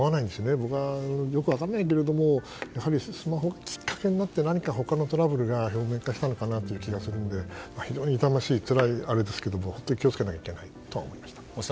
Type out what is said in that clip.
僕はよく分からないけどもやはりスマホがきっかけになって何か他のトラブルが表面化したのかなという気がするので非常に痛ましいつらい事件ですが本当に気を付けないといけないとは思いました。